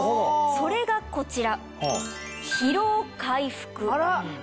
それがこちら。